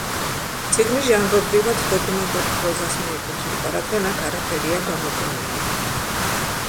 წიგნი ჟანრობრივად დოკუმენტურ პროზას მიეკუთვნება, რადგან აქ არაფერია გამოგონილი.